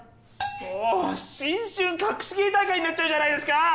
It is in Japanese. もう『新春かくし芸大会』になっちゃうじゃないですか！